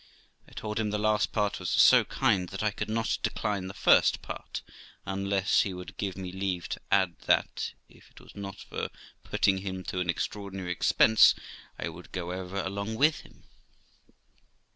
I told him the last part was so kind that I could not decline the first Eart, unless he would give me leave to add that, if it was not for putting im to an extraordinary expense, I would go over along with him.